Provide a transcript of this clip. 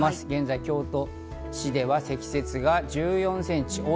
現在、京都市では積雪が１４センチ。